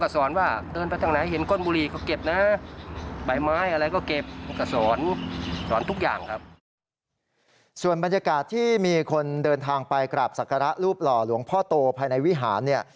ส่วนบรรยากาศที่มีคนเดินทางไปกราบศักระรูปหล่อหลวงพ่อโตภายในวิหารเนี่ย